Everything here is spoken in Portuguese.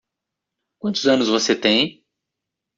Quantos anos você tem?